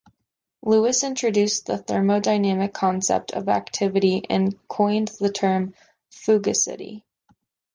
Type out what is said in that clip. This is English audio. Lewis introduced the thermodynamic concept of activity and coined the term "fugacity".